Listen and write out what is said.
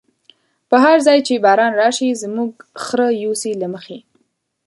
په هر ځای چی باران راشی، زموږ خره يوسی له مخی